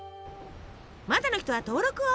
まだの人は登録を。